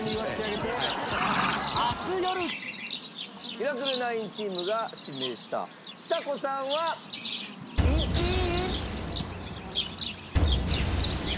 ミラクル９チームが指名したちさ子さんは１位。